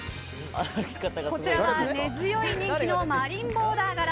こちらは根強い人気のマリンボーダー柄。